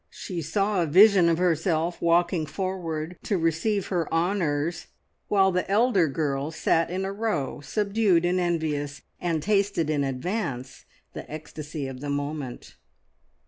She saw a vision of herself walking forward to receive her honours while the elder girls sat in a row, subdued and envious, and tasted in advance the ecstasy of the moment.